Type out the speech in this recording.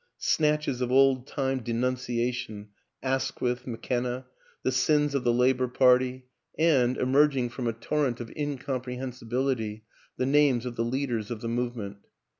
Snatches of old time denunciation Asquith, McKenna, the sins of the Labor WILLIAM AN ENGLISHMAN Party and, emerging from a torrent of incom prehensibility, the names of the Leaders of the Movement.